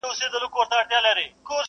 • ستا د غېږي تر ساحله نه رسېږم ښه پوهېږم,